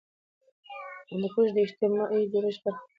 هندوکش د اجتماعي جوړښت برخه ده.